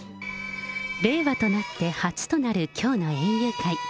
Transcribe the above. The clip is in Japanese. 令和となって初となるきょうの園遊会。